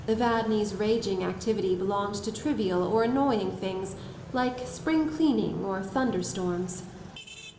Evadne's raging activity belonged to trivial or annoying things like spring cleaning or thunder* storms.